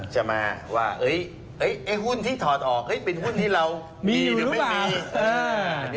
ใช่ไหมว่าไอ้หุ้นที่ถอดออกเป็นหุ้นที่เรามีหรือไม่มี